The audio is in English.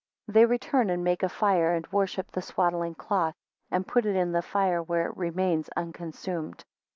4 They return and make a fire, and worship the swaddling cloth, and put it in the fire where it remains unconsumed.